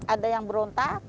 ada yang berontak